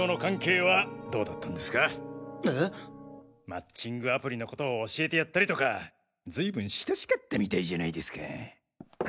マッチングアプリのことを教えてやったりとかずいぶん親しかったみたいじゃないですか？